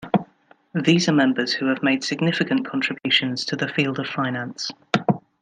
These are members who have made significant contributions to the field of finance.